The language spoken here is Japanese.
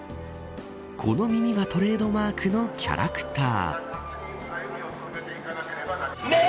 この耳がトレードマークのキャラクター。